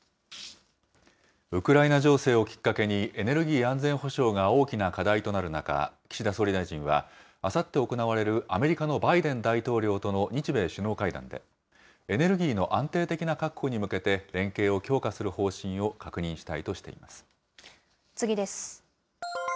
ウクライナ情勢をきっかけに、エネルギー安全保障が大きな課題となる中、岸田総理大臣は、あさって行われるアメリカのバイデン大統領との日米首脳会談で、エネルギーの安定的な確保に向けて連携を強化する方針を確認した次です。